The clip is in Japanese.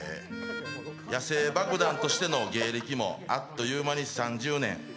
野性爆弾としての芸歴もあっという間に３０年。